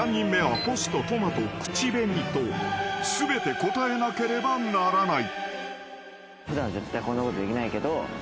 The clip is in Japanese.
口紅と全て答えなければならない］